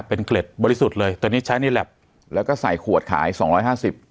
เป็นเกล็ดบริสุทธิ์เลยตอนนี้ใช้ในแล็บแล้วก็ใส่ขวดขายสองร้อยห้าสิบ